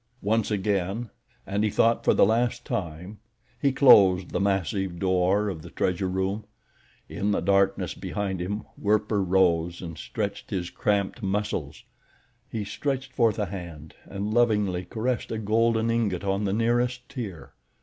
Once again, and, he thought, for the last time, he closed the massive door of the treasure room. In the darkness behind him Werper rose and stretched his cramped muscles. He stretched forth a hand and lovingly caressed a golden ingot on the nearest tier.